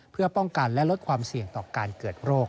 เพื่อป้องกันและลดความเสี่ยงต่อการเกิดโรค